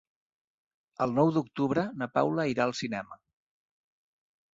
El nou d'octubre na Paula irà al cinema.